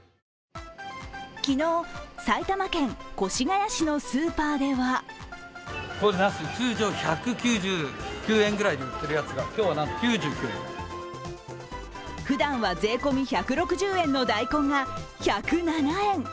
昨日、埼玉県越谷市のスーパーではふだんは税込み１６０円の大根が１０７円。